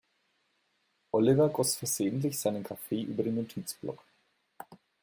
Oliver goss versehentlich seinen Kaffee über den Notizblock.